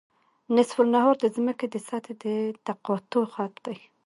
نصف النهار د ځمکې د سطحې د تقاطع خط دی